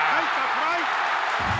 トライ。